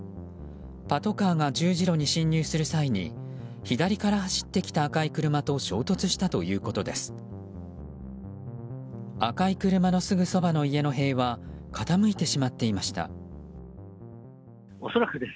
パトカーが十字路に進入する際に左から走ってきた赤い車と衝突したということです。